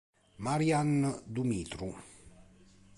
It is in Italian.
Marian Dumitru